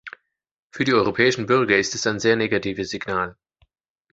Für die europäischen Bürger ist es ein sehr negatives Signal.